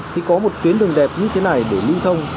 thì có một tuyến đường đẹp như thế này để lưu thông